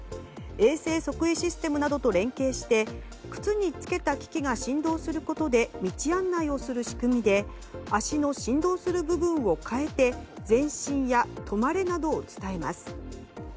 衛星測位システムなどと連携して靴に付けた機器が振動することで道案内をする仕組みで足の振動する部分を変えて「前進」や「止まれ」などを伝えます。